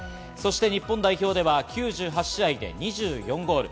日本代表では９８試合で２４ゴール。